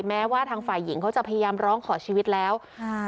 แม้ว่าทางฝ่ายหญิงเขาจะพยายามร้องขอชีวิตแล้วค่ะ